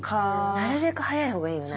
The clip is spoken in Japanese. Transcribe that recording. なるべく早いほうがいいよね。